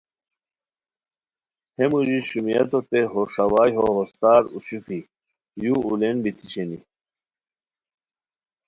ہے موژی شومیاتوتے ہو ݰاوائے ہو ہوستار اوشوپھی یو اولین بتی شینی